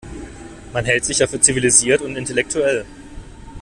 Man hält sich ja für zivilisiert und intellektuell.